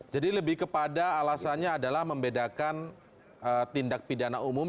jadi lebih kepada alasannya adalah membedakan tindak pidana umum